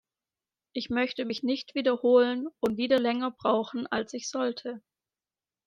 Ich möchte mich nicht wiederholen und wieder länger brauchen, als ich sollte.